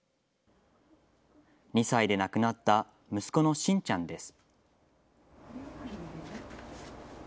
２歳で亡くなった息子のしんちゃんです。